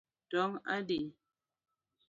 Tong adi?